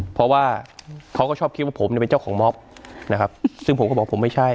เพราะว่าเขาก็ชอบคิดว่าผมเนี่ยเป็นเจ้าของมอบนะครับซึ่งผมก็บอกผมไม่ใช่